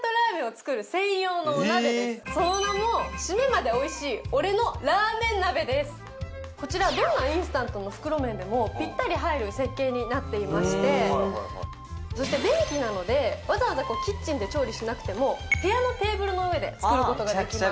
こちらはその名もこちらどんなインスタントの袋麺でもぴったり入る設計になっていましてそして電気なのでわざわざキッチンで調理しなくても部屋のテーブルの上で作ることができます